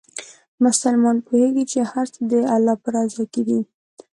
مسلمان پوهېږي چې هر څه د الله په رضا دي.